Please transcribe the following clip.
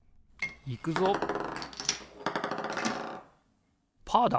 いくぞパーだ！